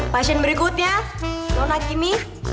pasien berikutnya lo nak gini